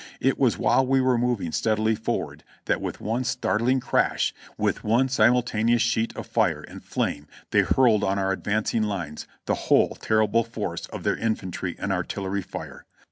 It was while we were moving steadily forward that with one startling crash, with one simultaneous sheet of fire and flame they hurled on our advancing lines the whole terrible force of their infantry and ar tillery fire.